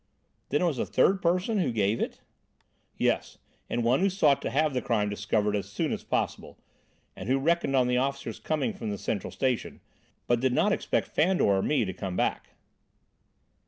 "Then it was a third person who gave it?" "Yes, and one who sought to have the crime discovered as soon as possible, and who reckoned on the officers coming from the Central Station, but did not expect Fandor or me to come back."